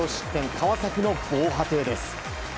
川崎の防波堤です。